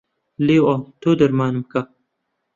لێو ئاڵ تۆ دەرمانم کە